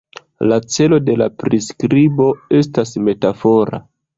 La celo de la priskribo estas metafora.